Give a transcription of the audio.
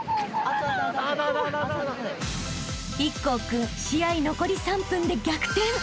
［壱孔君試合残り３分で逆転］